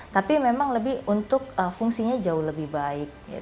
tapi memang lebih untuk fungsinya jauh lebih baik